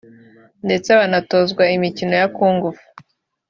ndetse banatozwa imikino ya Kung-fu